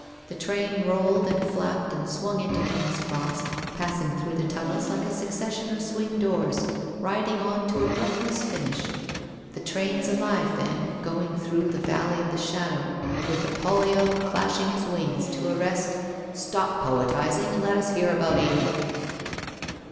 The train rolled and flapped and swung into King's Cross, passing through the tunnels like a succession of swing doors, riding on to a breathless finish. The train's alive, then, going through the valley of the Shadow, with Apollyon clashing his wings, to arrest '' Stop poetizing, and let us hear about Amy.'